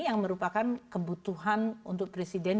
yang merupakan kebutuhan untuk presiden